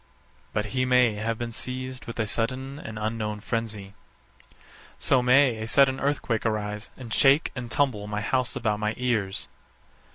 _ But he may have been seized with a sudden and unknown frenzy. _So may a sudden earthquake arise, and shake and tumble my house about my ears.